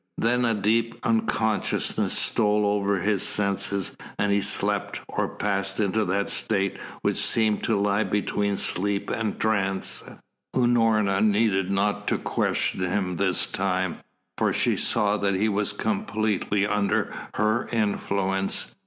Then a deep unconsciousness stole over all his senses and he slept, or passed into that state which seems to lie between sleep and trance. Unorna needed not to question him this time, for she saw that he was completely under her influence.